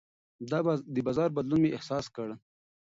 د بازار بدلون مې احساس کړ.